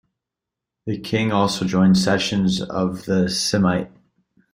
The king also joined sessions of the simite.